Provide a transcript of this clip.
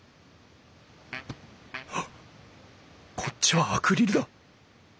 ハッこっちはアクリルだ！